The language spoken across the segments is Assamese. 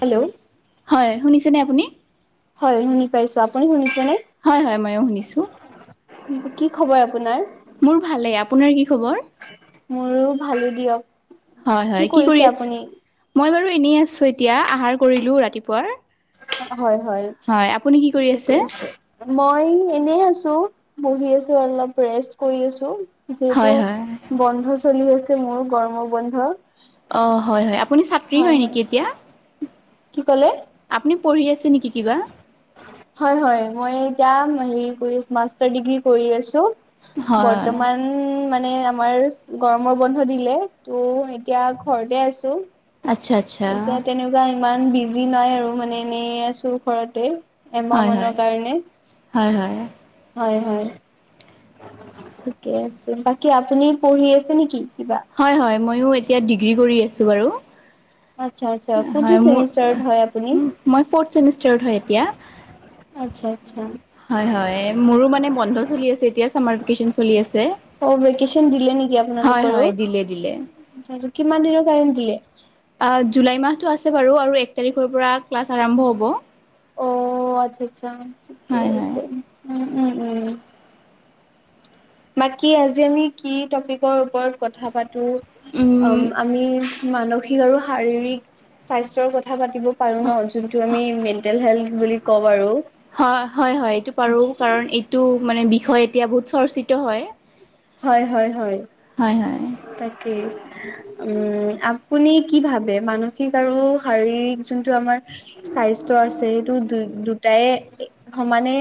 হেল্ল', হয় শুনিছেনে আপুনি হয় শুনি পাইছো আপুনি শুনিছে নে? হয় হয় ময়ো শুনিছোঁ। কি খবৰ আপোনাৰ? মোৰ ভালে আপোনাৰ কি খবৰ? মোৰো ভাল দিয়ক হয়, হয় কি কৰিছে কৰি আছে আপুনি মই বাৰু এনেই আছোঁ এতিয়া আহাৰ কৰিলো ৰাতিপুৱাৰ। হয়, হয় আপুনি কি কৰি ঠিকেই আছে। মই এনে আছোঁ বহি আছোঁ অলপ ৰেষ্ট কৰি আছোঁ। হয় যিহেতু হয় বন্ধ চলি আছে মোৰ গৰমৰ বন্ধ অ' হয়, হয় আপুনি ছাত্ৰী হয় নেকি এতিয়া? কি ক'লে? আপুনি পঢ়ি আছে নেকি কিবা? হয়, হয় মই এতিয়া হেৰি কৰি মাষ্টাৰ ডিগ্ৰী পঢ়ি আছোঁ হয় বৰ্তমান ও' মানে আমাৰ গৰমৰ বন্ধ দিলে ত' এতিয়া ঘৰতে আছোঁ। আচ্ছ, আচ্ছ। এতিয়া তেনেকুৱা ইমান বিজি নাই আৰু মানে এনে আছো ঘৰতে। হয় হয় এমাহমানৰ কাৰণে হয় হয়। হয়, হয়। ঠিকে আছে বাকী আপুনি পঢ়ি আছে নেকি কিবা? হয়, হয় ময়ো এতিয়া ডিগ্ৰী কৰি আছোঁ বাৰু আচ্ছা আচ্ছা কোনটো হয় মোৰ চেমিষ্টাৰত হয় আপুনি? অ' মই ফৰ্থ চেমিষ্টাৰ হয় এতিয়া। আচ্ছা, আচ্ছা হয়, হয় মোৰো মানে বন্ধ চলি আছে এতিয়া চামাৰভিকেচন চলি আছে অ ভেকেচন দিলে নেকি হয়, আপোনালোকৰো? হয় দিলে, দিলে। কিমান দিনৰ কাৰনে দিলে জুলাই মাহটো আছে বাৰু আৰু এক তাৰিখৰ পৰা ক্লাছ আৰম্ভ হ'ব অ' আচ্ছা, আচ্ছা ঠিকে হয় হয় আছে উম' উম' উম' বাকী আজি আমি কি টপিকৰ ওপৰত কথা পাতো উম অ' আমি মানসিক আৰু শাৰীৰিক স্বাস্থ্যৰ কথা পাতিব পাৰো ন যোনটো আমি মেণ্টেল হেল্থ বুলি কওঁ বাৰু হয়, হয়, হয় এইটো পাৰো কাৰণ এইটো মানে বিষয় এতিয়া বহুত চৰ্চিত হয়। হয়, হয়, হয় হয়, হয় তাকেই উম' আপুনি কি ভাবে মানসিক আৰু শাৰীৰিক যোনটো আমাৰ চাইস্থ আছে এইটো দু দুটাই সমানে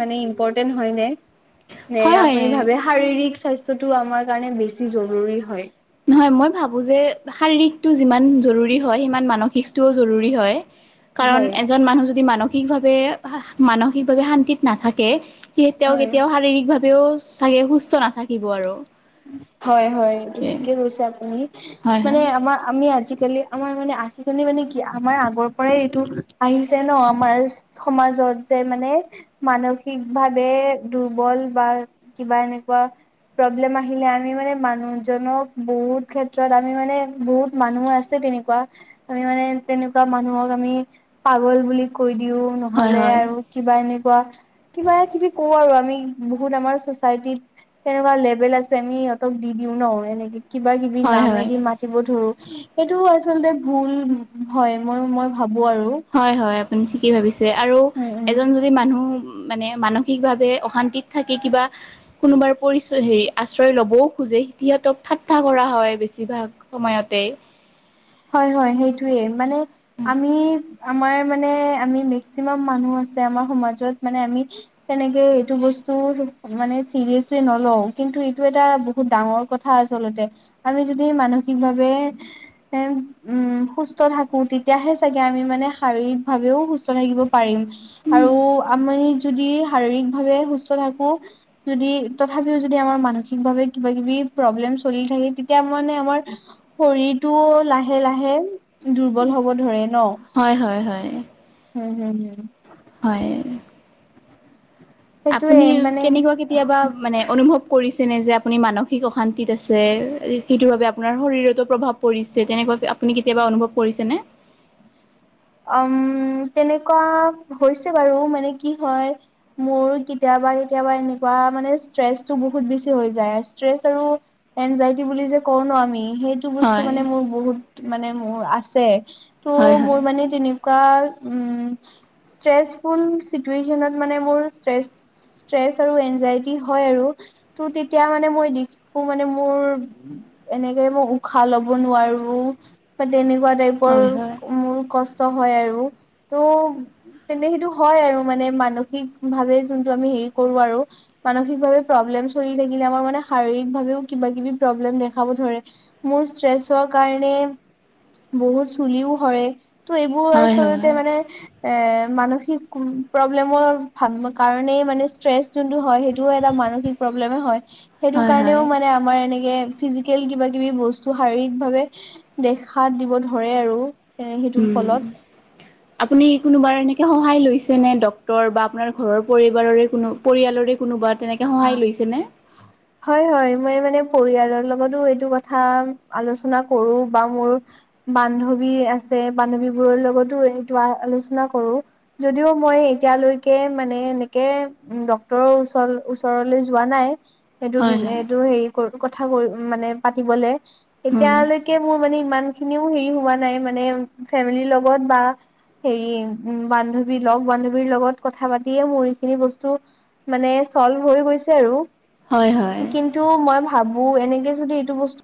মানে ইম্পৰ্টেণ্ট হয় নে? নে হয় হয় আপুনি ভাবে শাৰীৰিক স্বাস্থ্যটো আমাৰ কাৰণে বেছি জৰুৰী হয়? নহয় মই ভাবো যে শাৰীৰিকটো যিমান জৰুৰী হয় সিমান মানসিকটোও জৰুৰী হয়। কাৰণ হয় এজন মানুহ যদি মানসিকভাৱে, মানসিকভাৱে শান্তিত নাথাকে সি তেওঁ হয় কেতিয়াও শাৰীৰিক ভাৱেও চাগে সুস্থ নাথাকিব আৰু হয়, হয়। এইটো সেইটোৱে ঠিকেই কৈছে আপুনি হয় হয় মানে আমাৰ আমি আজিকালি আমাৰ মানে, আজিকালি মানে কি আমাৰ আগৰ পৰাই এইটো আহিছে ন? আমাৰ সমাজত যে মানে মানসিক ভাৱে দুৰ্বল বা, কিবা এনেকুৱা, প্ৰব্লেম্ আহে আহিলে আমি মানে মানুহজনক, বহুত ক্ষেত্ৰত আমি মানে বহুত মানুহ আছে তেনেকুৱা আমি মানে তেনেকুৱা মানুহক আমি পাগল বুলি কৈ দিও হয় নহ'লে আৰু কিবা এনেকুৱা কিবা- কিবি, কওঁ আৰু আমি বহুত আমাৰ চচাইটিত, কেনেকুৱা লেভেল আছে চেনি সিহঁতক দি দিওঁ ন? এনেকে কিবা-কিবি হয় হয় হয় নামেদি মা মাতিব ধৰোঁ, সেইটো আচলতে ভুল হয়, মই মই ভাবোঁ আৰু। হয় হয় আপুনি ঠিকেই ভাবিছে, আৰু উম উম এজন যদি মানুহ মানে মানসিকভাৱে অশান্তিত থাকি কিবা কোনোবাৰ পৰিচয় হেৰি আশ্ৰয় ল'বও খোজে, সিহঁতক ঠাট্টা কৰা হয় বেছিভাগ সময়তে হয় হয় সেইটোৱে, মানে আমি আমাৰ মানে আমি মেক্সিমাম মানুহ আছে আমাৰ সমাজত, মানে আমি তেনেকে এইটো বস্তু মানে চিৰিয়াচলি নলওঁ, কিন্তু এইটো এটা বহুত ডাঙৰ কথা আচলতে, আমি যদি মানসিকভাৱে এ, উম। উম, সুস্থ থাকোঁ তেতিয়াহে চাগে আমি মানে শাৰীৰিক ভাৱেও সুস্থ থাকিব পাৰিম। আৰু আমি যদি শাৰীৰিক ভাৱে সুস্থ থাকোঁ যদি তথাপিও যদি আমাৰ মানসিকভাৱে কিবা- কিবি প্ৰব্লেম চলি থাকে, তেতিয়া মানে আমাৰ শৰীৰটো লাহে লাহে দুৰ্বল হ'ব ধৰে ন? হয়, হয়, হয়। হম, হম, হম। হয়। আপুনি সেইটোয়ে মানে তেনেকুৱাকে কেতিয়াবা মানে অনুভৱ কৰিছেনে যে আপুনি মানসিক অশান্তিত আছে, সেইটোৰ বাবে আপোনাৰ শৰীৰতো প্ৰভাৱ পৰিছে, তেনেকুৱাকে আপুনি কেতিয়াবা অনুভৱ কৰিছে নে? উম, তেনেকুৱা হৈছে বাৰু, মানে কি হয় মোৰ কেতিয়াবা কেতিয়াবা এনেকুৱা মানে ষ্ট্ৰেছটো বহুত বেছি হৈ যায়, ষ্ট্ৰেছ আৰু এনজাইটি বুলি যে কওঁ ন, আমি সেই সেইটো বস্তু হয় মানে মোৰ বহুত মানে মোৰ আছে, হয় ত' হয় মোৰ মানে তেনেকুৱা, উম, ষ্ট্ৰেছ ফুল চিটোয়েচনত মানে মোৰ ষ্ট্ৰেছ ষ্ট্ৰেছ আৰু এনজাইটি হয় আৰু, ত' তেতিয়া মানে মই দেখোঁ মানে মোৰ এনেকে মই উশাহ ল'ব নোৱাৰো, বা তেনেকুৱা টাইপৰ হয় হয় মোৰ কষ্ট কষ্ট হয় আৰু, ত তেন্তে সেইটো হয় আৰু মানে মানসিক ভাৱে যোনটো আমি হেৰি কৰোঁ আৰু মানসিকভাৱে প্ৰব্লেম চলি থাকিলে আমাৰ মানে শাৰীৰিক ভাৱেও কিবা-কিবি প্ৰব্লেম দেখাব ধৰে। মোৰ ষ্ট্ৰেছৰ কাৰণে বহুত চুলিও সৰে। ত' এইবোৰ হয় হয় আচলতে হয় মানে এ, মানসিক প্ৰব্লেমৰ সন কাৰণেই মানে ষ্ট্ৰেছ যোনটো হয়, সেইটোও এটা মানসিক প্ৰব্লেমো হয়, সেইটো হয় হয় কাৰণেও মানে আমাৰ এনেকে ফিজিকেল কিবা-কিবি বস্তু শাৰীৰিক ভাৱে দেখা দিব ধৰে আৰু এ সেইটোৰ উম। [unintelligible] আপুনি কোনোবাৰ এনেকে সহায় লৈছে নে ডক্তৰ বা আপোনাৰ ঘৰৰ পৰিবাৰৰে কোনো পৰিয়ালৰে কোনোবা, তেনেকে অ সহায় লৈছেনে? [unintelligible] হয় হয়, মই মানে পৰিয়ালৰ লগতো এইটো কথা আলোচনা কৰোঁ বা মোৰ বান্ধৱী আছে, বান্ধৱী বোৰৰ লগতো এইটো আ আলোচনা কৰোঁ। যদিও মই এতিয়ালৈকে মানে এনেকে উম, ডক্তৰৰ ওচল ওচ তৰলৈ যোৱা নাই, সেইটো হয় বি হয় এইটো হেৰি কৰ কথাবোৰ মানে পাতিবলে উম এতিয়ালৈকে মোৰ মানে ইমান খিনিও হেৰি হোৱা নাই মানে ফেমিলিৰ লগত বা- হেৰি উমঁ বান্ধৱী লগ বান্ধৱীৰ লগত কথা পাতিয়ে মোৰ এইখিনি বস্তু- মানে চল্ভ হৈ গৈছে আৰু। হয়ঁ হয়ঁ এইটো মই ভাবো এনেকে যদি এইটো বস্তু।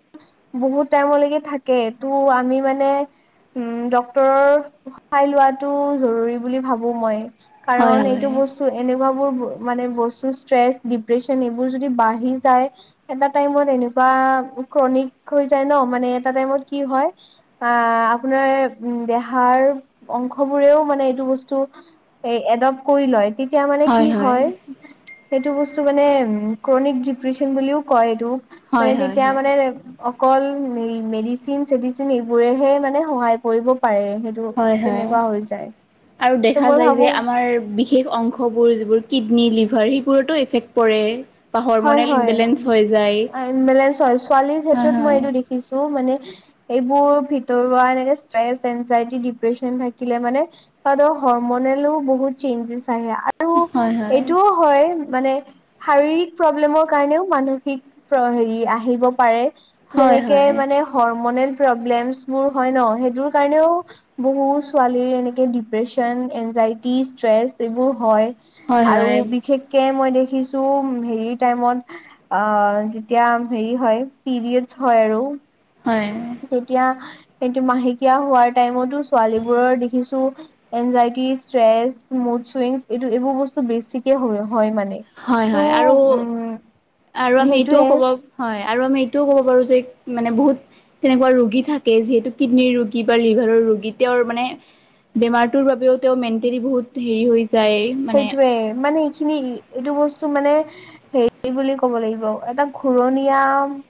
বহুত টাইমলৈকে থাকে তটো আমি মানে- উমঁ ডক্তৰৰ সহায় লোৱাটো জৰুৰী বুলি ভাবো মই। হয় কাৰণ এইটো হয় বস্তু এনেকুৱ বোৰ মানে বস্তু- ষ্ট্ৰেছ ডিপ্ৰেচন এইবোৰ যদি বাঢ়ি যায়- এটা টাইমত এনেকুৱা ক্ৰনিক হৈ যায় ন মানে এটা টাইমত কি হয়। আহ আপোনাৰ উম দেহাৰ অংশ বোৰেও মানে এইটো বস্তু। এ এডপ কৰি লয় তেতিয়া মানে কি হয়। সেইটো বস্তু মানে উ ক্ৰনিক ডিপ্ৰেচন বুলিও কয় এইটো হয় মানে হয় হয় তেতিয়া মানে- অকল মেডিচিন চেডিচিন এইবোৰেহে মানে সহায় কৰিব পাৰে সেই- হয় হয় তেনেকুৱা হৈ যায়। আৰু ত' দেখা মই যায় যে ভাবো আমাৰ বিশষ- বিশেষ অংশবোৰ যিবোৰ কিডনী লিভাৰ সেইবোৰতো এফেক্ট পৰে। বা হয়ঁ হৰমনেল ইমবেলেঞ্চ হৈ যায় হয়ঁ বেলেঞ্চ হয়ঁ ছোৱালীৰ ক্ষেত্ৰত মই এইটো দেখিছো মানে- এইবোৰ ভিতৰুৱা এনেকে ষ্ট্ৰে এনজাইটি ডিপ্ৰেচন থাকিলে মানে- তাদৰ হৰমনেলোও বহুত চেঞ্জেছ আহে। আৰু হয় হয় এইটোও হয়ঁ মানে শাৰীৰিক- প্ৰব্লেমৰ কাৰণেও মানসিক হেৰি আহিব পাৰে হয় যেনেকে হয় মানে- হমনেল প্ৰব্লেমছোৰ হয়ঁ ন সেইটোৰ কাৰণেও- বহু ছোৱালীৰ এনেকে ডিপ্ৰেচন এনজাইটি ষ্ট্ৰেচ এইবোৰ হয়ঁ। হয় হয় হয় হয় আৰু বিশেষকে মই দেখিছোঁ উমঁ! হেৰি টাইমত অঁ যেতিয়া হেৰি হয়ঁ পিৰিয়ড হয়ঁ আৰু। হয়ঁ! তেতিয়া সটো মাহেকীয়া হোৱাৰ টাইমতো ছোৱালীবোৰৰ দেখিছোঁ। এনজাইটি ষ্ট্ৰেচ মুড চুইং এইটো এইবোৰ বস্তু বেছিকে হয় মানে- হয়ঁ হয়ঁ আৰু- ত' উম আৰু আমি এইটোও সেইটোয়ে ক'ব হয় আৰু আমি এইটোও ক'ব পাৰোঁ যে মানে বহুত- তেনেকুৱা ৰোগী থাকে যিহেতু কিডনীৰ ৰোগী বা লিভাৰৰ ৰোগী তেওঁৰ মানে- বেমাৰটোৰ বাবেও তেওঁ মেণ্টেলি বহুত হেৰি হৈ যায় মানে সেইটোয়ে মানে এইখিনি এইটো বস্তু মানে- হেৰি বুলি ক'ব লাগিব এটা ঘূৰণীয়া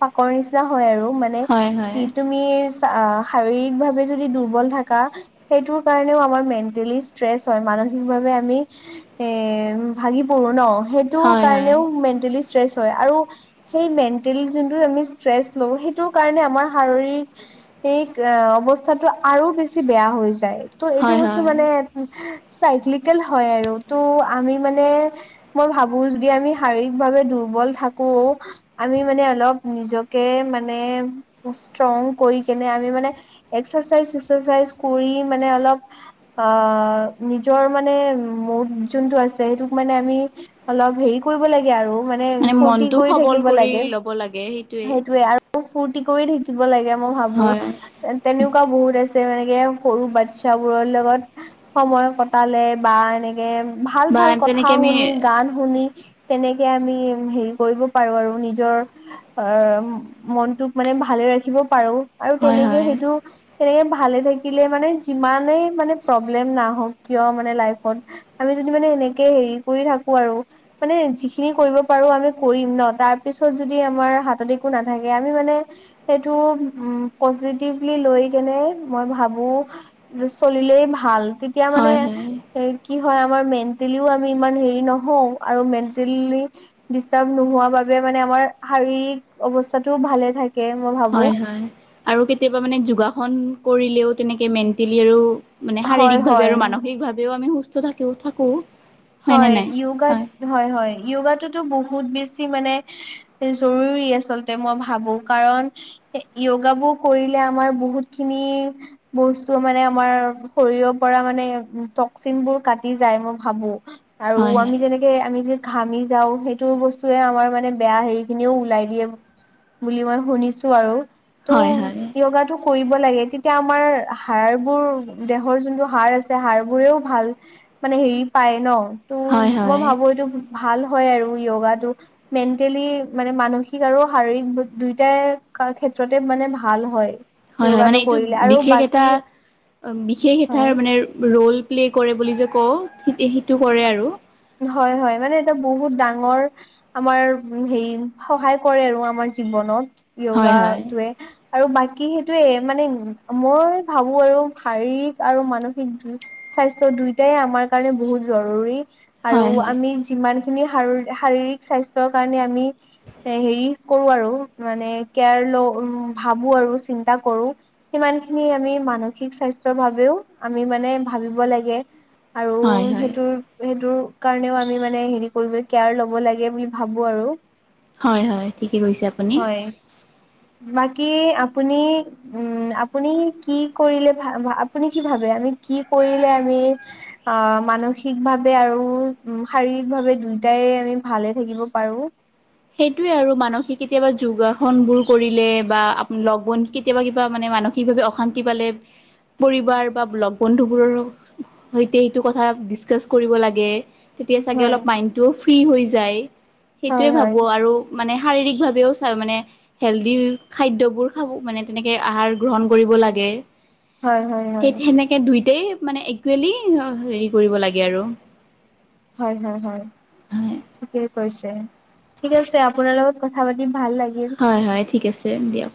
পাকৰ নিচিনা হয় আৰু মানে- হয় হয় কি তুমি শাৰীৰিক ভাৱে যদি দুৰ্বল থাকা- সেইটোৰ কাৰণেও আমাৰ মেন্টেলি ষ্ট্ৰেচ হয়ঁ মানসিকভাৱে আমি- এ ভাগি পৰো ন সেইটো হয় হয় কাৰণেও মেণ্টেলি ষ্ট্ৰেচ হয়ঁ আৰু- সেই মেণ্টেল যোনটো আমি ষ্ট্ৰেচ লব সেইটো কাৰণে আমাৰ শাৰীৰিক। সেই অৱস্থাতটো আৰু বেছি বেয়া হৈ যায়। ত' এইটো হয় বস্তু হয় মানে চাইক্লিকেল হয়ঁ আৰু ত' আমি মানে- মই ভাবো যদি আমি শাৰীৰিক ভাৱে দুৰ্বল থাকো- আমি মানে অলপ নিজকে মানে ষ্ট্ৰং কৰি কেনে আমি মানে- এক্সাৰচাইজ্ চক্সাৰচাইজ কৰি মানে অলপ আহ নিজৰ মানে- মৌদ যোনটো আছে সেইটোক মানে আমি অলপ হেৰি কৰিব লাগে আৰু। মানে ফূৰ্তি মনটো কৰি সবল থাকিব কৰি লাগে ল'ব লাগে সেইটোৱে সেইটোয়ে আৰু। ফুৰ্তি কৰি থাকিব লাগে মই ভাবো- হয় তেনেকুৱা বহুত আছে মানকে সৰু বাচ্ছাবোৰৰ লগত। সময় কটালে বা এনেকে ভাল বা ভাল কথা তেনেকে আমি শুনি গান শুনি- তেনেকে আমি হেৰি কৰিব পাৰো আৰু নিজৰ- অঁ মনটোক মানে ভালে ৰাখিব পাৰো আৰু হয় তেনেকে হয় সেইটো- তেনেকে ভালে থাকিলে মানে যিমানেই মানে প্ৰব্লেম নাহওক কিয় মানে লাইফত। আমি যদি মানে এনেকে হেৰি কৰি থাকো আৰু- মানে যিখিনি কৰিব পাৰো আমি কৰিম ন তাৰ পিছত যদি আমাৰ হাতত একো নাথাকে আমি মানে- সেইটো উমঁ পজিটিভলি লৈ কেনে মই ভাবো। চলিলেই ভাল তেতিয়া মানে হয় হয় এই- কি হয় আমাৰ মেণ্টেলিও আমি ইমান হেৰি নহওঁ আৰু মেণ্টেলি- ডিষ্টাৰ্ব নোহোৱা বাবে মানে আমাৰ শাৰীৰিক অৱস্থাটোও ভালে থাকে। কে মই ভাবো। হয়ঁ হয়ঁ আৰু কেতিয়াবা মানে যোগাসন কৰিলেও তেনেকে মেণ্টেলি আৰু- মানে হয় শাৰীৰিক ভাৱে আৰু হয় মানসিকভাৱেও আমি সুস্থ থাকি থাকো। হয়নে হয় নাই য়োগাত হয়ঁ হয়ঁ য়োগাটোতো বহুত বেছি মানে- জৰুৰী আচলতে মই ভাবো কাৰণ য়োগাবোৰ কৰিলে আমাৰ বহুত খিনি- বস্তু মানে আমাৰ শৰীৰৰ পৰা মানে টক্সিন বোৰ কাটি যায় মই ভাবো। আৰু হয় আমি যেনেকে আমি যে। ঘামি যাওঁ সেইটো বস্তুয়ে আমাৰ মানে বেয়া হেৰি খিনিও ওলাই দিয়ে। বুলি মই শুনিছোঁ আৰু তো' হয় হয় হয় হয় য়োগটো। কৰিব লাগে তেতিয়া আমাৰ হাড়বোৰ দেহৰ যোনটো হাড় আছে হাড় বোৰেও ভাল। মানে হেৰি পায় ন তো হয় মই হয় ভাবো এইটো ভাল হঁয় আৰু য়োগাটো। মেণ্টেলি মানে মানসিক আৰু শাৰীৰিক দুইটাই ক্ষেত্ৰতে মানে ভাল হয়। হঁয় হয়ঁ হয় য়োগাটো মানে এইটো কৰিলে আৰু বিশেষ এটা বাকী বিশেষ এটাৰ হয় মানে ৰোল। প্লে কৰে বুলি যে কওঁ সিতে সেইটো কৰে আৰু। হয়ঁ হয়ঁ মানে এটা বহুত ডাঙৰ। আমাৰ হেৰি সহায় কৰে আৰু আমাৰ জীৱনত হয় হয় য়োগাটোৱে। আৰু বাকী সেইটোয়ে মানে মই ভাবো আৰু শাৰীৰিক আৰু মানসিক দি- স্বাস্থ্য দুয়োটাই আমাৰ কাৰণে বহুত জৰুৰী আৰু হয় হয় আমি- যিমান খিনি শাৰী শাৰীৰিক স্বাস্থ্যৰ কাৰণে আমি এ হেৰি কৰো আৰু মানে কেয়াৰ লো ভাবো আৰু চিন্তা কৰো। সিমান খিনি আমি মানসিক স্বাস্থ্যৰ বাবেও আমি মানে ভাবিব লাগে। আৰু হয় হয় সেইটোৰ সেইটো। কাৰণেও আমি মানে হেৰি কৰিব কেয়াৰ লব লাগে বুলি ভাবো আৰু। হয় হয় ঠিকে কৈছে আপুনি হয়ঁ বাকী আপুনি? উমঁ আপুনি কি কৰিলে ভা ভা আপুনি কি ভাবে আমি কি কৰিলে আমি- আহ মানসিকভাৱে আৰু- উমঁ শাৰীৰিক ভাৱে দুয়োটাই আমি ভালে থাকিব পাৰোঁ। সেইটোয়ে আৰু মানসিক কেতিয়াবা যোগাসন বোৰ কৰিলে বা লগ বন্ধু কে- কেতিয়াবা কিবা মানে মানসিকভাৱে অশান্তি পালে পৰিবাৰ বা লগ বন্ধুবোৰৰো- সৈতে সেইটো কথা ডিচকাচ কৰিব লাগে। তেতিয়া চাগে হয় অলপ মাইণ্ডটোও ফ্ৰী হৈ যায় হয় সেইটোৱে ভাবোঁ। হয় আৰু মানে শাৰীৰিক ভাৱেও চাই। মানে- হেলডি খাদ্যবোৰ খাব মানে তেনেকে আহাৰ গ্ৰহণ কৰিব লাগে। হয় হয় সেই হয় সেনেকে দুইটাই মানে একুৱেলি আ হেৰি কৰিব লাগে আৰু। হয় হয় হয়। হয় ঠিকেই কৈছে। ঠিক আছে আপোনাৰ লগত কথা পাতি ভাল লাগিল। হয় হয় ঠিক আছে দিয়ক।